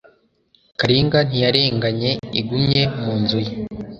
Karinga ntiyarenganye Igumye mu nzu ye.